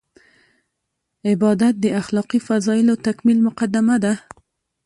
عبادت د اخلاقي فضایلو تکمیل مقدمه ده.